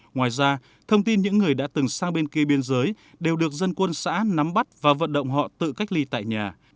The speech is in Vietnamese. ngoài ra thông tin những người đã từng sang bên kia biên giới đều được dân quân xã nắm bắt và vận động họ tự cách ly tại nhà